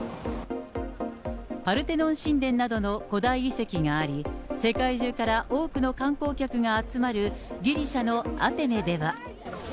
パルテノン神殿などの古代遺跡があり、世界中から多くの観光客が集まるギリシャのアテネでは。